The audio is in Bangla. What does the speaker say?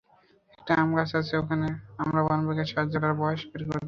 একটা আম গাছ আছে ওখানে, আমরা বনবিভাগের সাহায্যে, ওটার বয়স বের করতেছি।